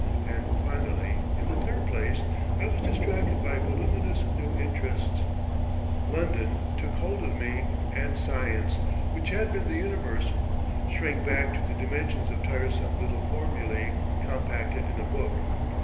And finally, in the third place, I was distracted by voluminous new interests; London took hold of me, and Science, which had been the universe, shrank back to the dimensions of tiresome little formulae compacted in a book.